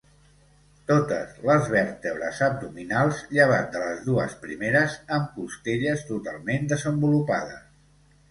Totes les vèrtebres abdominals, llevat de les dues primeres, amb costelles totalment desenvolupades.